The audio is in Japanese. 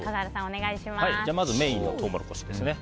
まずメインのトウモロコシですね。